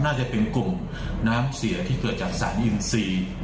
น่าจะเป็นกลุ่มน้ำเสียที่เกิดจากสารอินทรีย์